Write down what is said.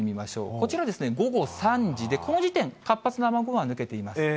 こちらは午後３時で、この時点、活発な雨雲は抜けています。